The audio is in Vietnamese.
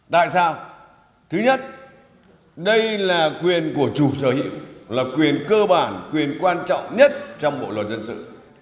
tại sao thứ nhất đây là quyền của chủ sở hữu là quyền cơ bản quyền quan trọng nhất trong bộ luật dân sự